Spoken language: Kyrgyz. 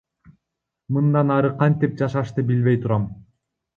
Мындан ары кантип жашашты билбей турам.